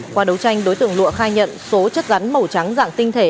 qua đấu tranh đối tượng lụa khai nhận số chất rắn màu trắng dạng tinh thể